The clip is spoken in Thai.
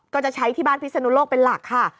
ก็จะใช้ที่บ้านพิศนุโลกเป็นหลักค่ะ